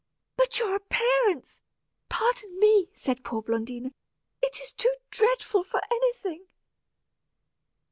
"But your appearance pardon me," said poor Blondina; "it is too dreadful for anything."